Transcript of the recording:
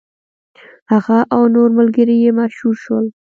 هغه او نور ملګري یې مشهور شول.